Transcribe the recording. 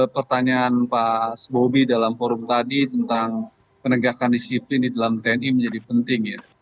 pertanyaan pak bobi dalam forum tadi tentang penegakan disiplin di dalam tni menjadi penting ya